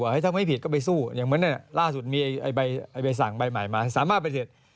อย่างเหมือนล่าสุดมีไอ้ใบสั่งใบใหม่มาสามารถไปเสีย